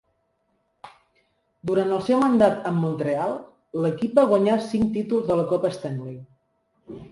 Durant el seu mandat amb Montreal, l'equip va guanyar cinc títols de la Copa Stanley.